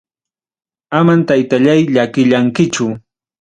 Amam taytallay llakillankichu.